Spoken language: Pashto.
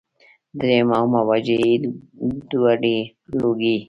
دريمه عامه وجه ئې دوړې ، لوګي